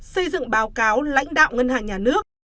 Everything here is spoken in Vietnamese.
xây dựng báo cáo lãnh đạo ngân hàng nhà nước